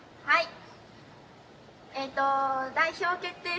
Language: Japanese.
はい。